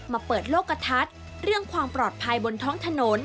เปิดโลกกระทัดเรื่องความปลอดภัยบนท้องถนน